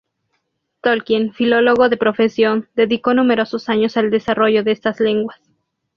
Tolkien, filólogo de profesión, dedicó numerosos años al desarrollo de estas lenguas.